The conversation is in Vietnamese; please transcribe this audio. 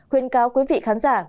khuyên cáo quý vị khán giả